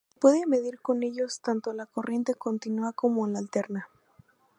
Se puede medir con ellos tanto la corriente continua como la alterna.